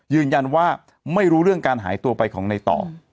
ไม่รู้เรื่องการหายตัวไปของในต่อ